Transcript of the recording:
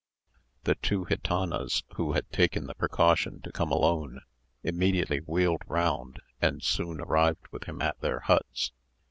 The two gitanas, who had taken the precaution to come alone, immediately wheeled round, and soon arrived with him at their huts.